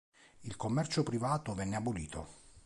Il commercio privato venne abolito.